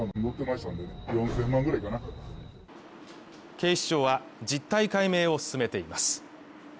警視庁は実態解明を進めています。